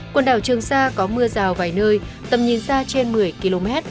quần đảo trường sa có mưa rào vài nơi tầm nhìn xa trên một mươi km